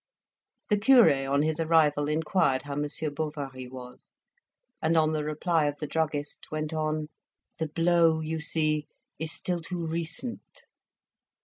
The cure on his arrival inquired how Monsieur Bovary was, and, on the reply of the druggist, went on "The blow, you see, is still too recent."